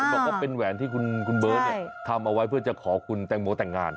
บอกว่าเป็นแหวนที่คุณเบิร์ตทำเอาไว้เพื่อจะขอคุณแตงโมแต่งงาน